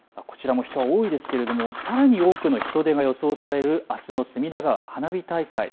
こちらも人は多いですけれどもさらに多くの人出が予想されるあすの隅田川花火大会。